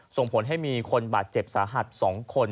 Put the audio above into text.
ส่งผลให้มีคนบาดเจ็บสาหัส๒คน